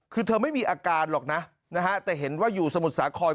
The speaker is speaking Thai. คือเธอไม่มีอาการหรอกนะนะฮะแต่เห็นว่าอยู่สมุทรสาคร